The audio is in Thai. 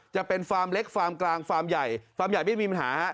จะเป็นฟาร์มเล็กฟาร์มกลางฟาร์มใหญ่ฟาร์มใหญ่ไม่มีปัญหาฮะ